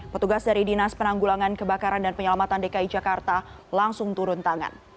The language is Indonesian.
petugas dari dinas penanggulangan kebakaran dan penyelamatan dki jakarta langsung turun tangan